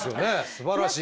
すばらしい。